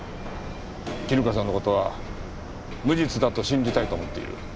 絹香さんの事は無実だと信じたいと思っている。